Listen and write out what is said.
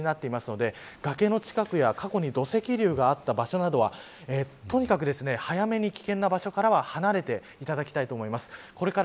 今、島根県など中国地方にも発表になっているので崖の近くや過去に土石流があった場所などはとにかく早めに危険な場所からは離れていただきたいと思います。